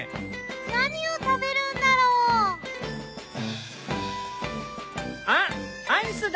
何を食べるんだろう？あっアイスだ！